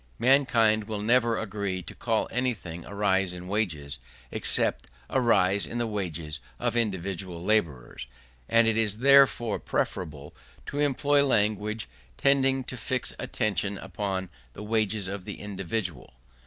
Mankind will never agree to call anything a rise of wages, except a rise of the wages of individual labourers, and it is therefore preferable to employ language tending to fix attention upon the wages of the individual.